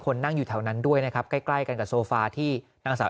นั่งอยู่แถวนั้นด้วยนะครับใกล้ใกล้กันกับโซฟาที่นางสาว